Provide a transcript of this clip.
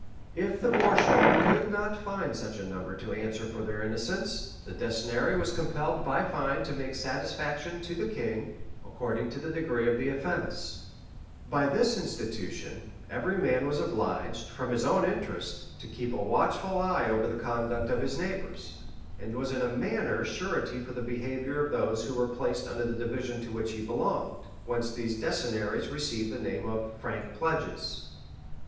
If the borsholder could not find such a number to answer for their innocence, the decennary was compelled by fine to make satisfaction to the king, according to the degree of the offence.[*] [* Leges St. Edw. cap. 20, apud Wilkins, p. 202.] By this institution, every man was obliged, from his own interest, to keep a watchful eye over the conduct of his neighbors; and was in a manner surety for the behavior of those who were placed under the division to which he belonged; whence these decennaries received the name of frank pledges.